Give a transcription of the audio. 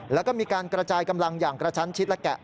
แล้วก็มีการกระจายกำลังอย่างกระชั้นชิดและแกะ